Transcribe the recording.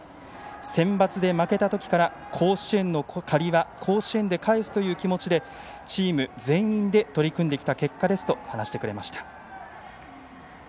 センバツで負けたときから甲子園の借りは甲子園で返すという気持ちで、チーム全員で取り組んできた結果ですと話してくれました。